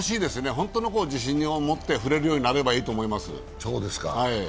本当の自信を持って振れるようになればいいと思います。